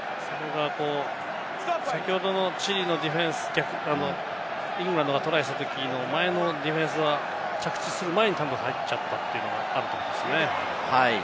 先ほどのチリのディフェンス、イングランドがトライしたときの前のディフェンスは着地する前に入っちゃったというのがありましたけれどもね。